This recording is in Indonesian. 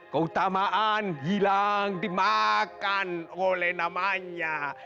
keutamaan hilang dimakan oleh namanya